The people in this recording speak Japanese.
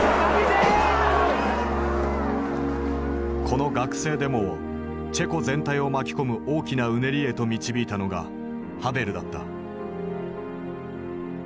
この学生デモをチェコ全体を巻き込む大きなうねりへと導いたのがハヴェルだった。